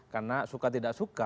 karena suka tidak suka